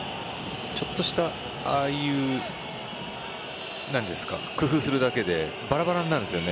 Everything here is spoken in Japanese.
ちょっとした、ああいう工夫するだけでバラバラになるんですよね。